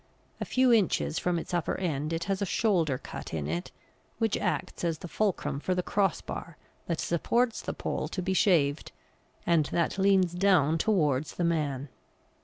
A few inches from its upper end it has a shoulder cut in it which acts as the fulcrum for the cross bar that supports the pole to be shaved, and that leans down towards the man.